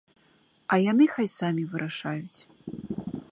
А яны хай самі вырашаюць.